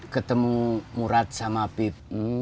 ketemu murad sama pip